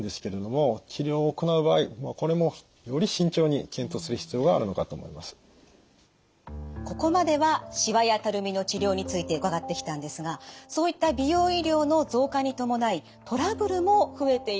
ですのでここまではしわやたるみの治療について伺ってきたんですがそういった美容医療の増加に伴いトラブルも増えているんです。